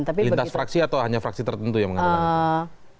lintas fraksi atau hanya fraksi tertentu yang mengatakan